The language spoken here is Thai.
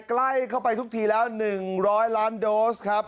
ใกล้เข้าไปทุกทีแล้ว๑๐๐ล้านโดสครับ